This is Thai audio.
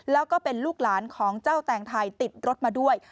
แล้วก็เป็นลูกหลานของเจ้าแตงไทยติดรถมาด้วย